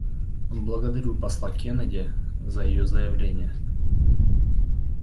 Благодарю посла Кеннеди за ее заявление.